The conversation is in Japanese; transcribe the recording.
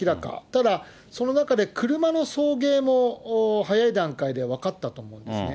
ただ、その中で、車の送迎も早い段階で分かったと思うんですね。